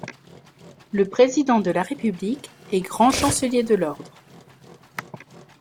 Le Président de la République est grand chancelier de l'Ordre.